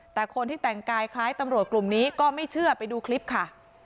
แต่คนที่แต่งกายคล้ายตำรวจกลุ่มนี้ก็ไม่เชื่อไปดูคลิปค่ะ